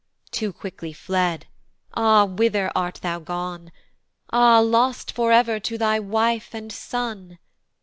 Too quickly fled, ah! whither art thou gone? Ah! lost for ever to thy wife and son!